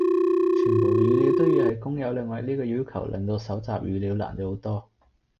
全部語料都要喺公有領域呢個要求令到蒐集語料難咗好多。